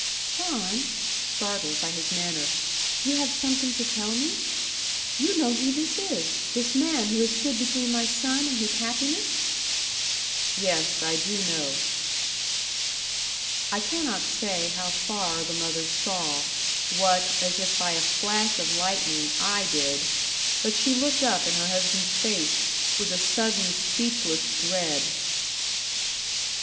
"John," startled by his manner "you have something to tell me? You know who this is this man who has stood between my son and his happiness?" "Yes, I do know." I cannot say how far the mother saw what, as if by a flash of lightning, I did; but she looked up in her husband's face, with a sudden speechless dread.